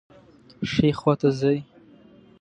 ښي خواته ځئ